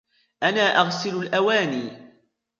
أنا أغسل الأواني.